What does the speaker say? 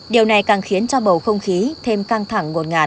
điều này càng khiến cho bầu không khí thêm căng thẳng ngột ngạt